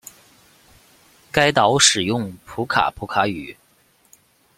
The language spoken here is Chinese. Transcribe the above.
该岛使用普卡普卡语。